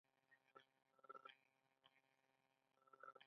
ورځپاڼې او مجلې ډیرې دي.